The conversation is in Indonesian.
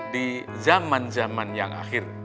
di zaman zaman yang akhir